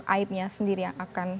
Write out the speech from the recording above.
aibnya sendiri yang akan